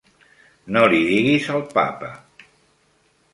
No li diguis al papa.